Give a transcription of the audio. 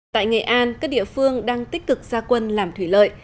tại nghệ an các địa phương đang tích cực gia quân làm thủy lợi